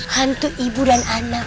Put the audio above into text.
hantu ibu dan anak